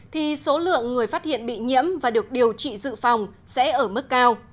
thì số lượng người phát hiện bị nhiễm và được điều trị dự phòng sẽ ở mức cao